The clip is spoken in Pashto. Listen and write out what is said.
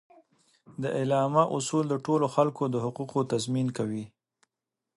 د اعلامیه اصول د ټولو خلکو د حقوقو تضمین کوي.